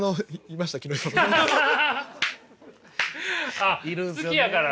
あっ好きやから。